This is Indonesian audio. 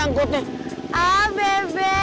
angkotnya ah beb